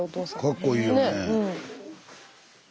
かっこいいよねえ。